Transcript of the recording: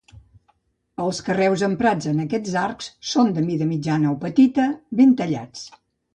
Els carreus emprats en aquests arcs són de mida mitjana o petita, ben tallats.